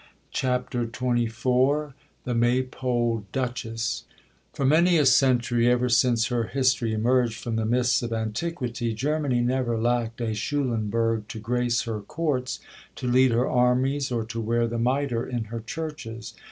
CHAPTER XXIV THE MAYPOLE DUCHESS For many a century, ever since her history emerged from the mists of antiquity, Germany never lacked a Schulenburg to grace her Courts, to lead her armies, or to wear the mitre in her churches.